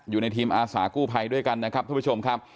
อยู่ในทีมอาสากู้ภัยด้วยกันนะครับทุกผู้ชมครับ